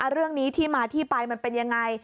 เรื่องนี้ที่มาที่ไปมันเป็นยังไง